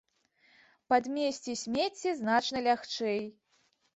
Падмесці смецце значна лягчэй.